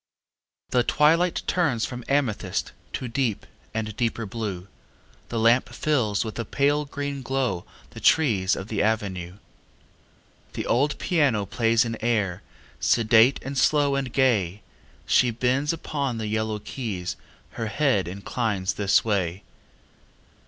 II The twilight turns from amethyst To deep and deeper blue, The lamp fills with a pale green glow The trees of the avenue. The old piano plays an air, Sedate and slow and gay; She bends upon the yellow keys, Her head inclines this way.